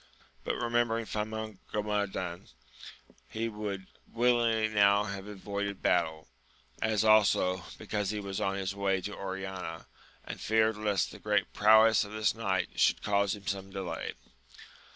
Yet, remembering Famongomadan, he would willingly now have avoided battle ; as also, because he was on his way to Oriana, and feared lest the great prowess of this knight should cause him some delay.